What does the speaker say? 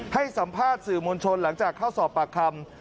ให้สัมภาษณ์สื่อมวลชนหลังจากเข้าสอบปากคำ